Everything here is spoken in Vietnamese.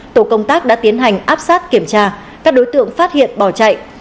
tổ công tác đã tiến hành áp sát kiểm tra các đối tượng phát hiện bỏ chạy